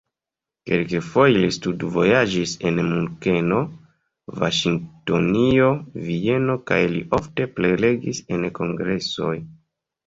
Kelkfoje li studvojaĝis en Munkeno, Vaŝingtonio, Vieno kaj li ofte prelegis en kongresoj.